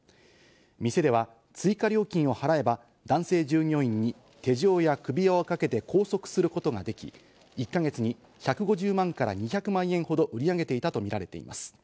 店では追加料金を払えば男性従業員に手錠や首輪をかけて拘束することができ、１か月に１５０万から２００万円ほど売り上げていたとみられています。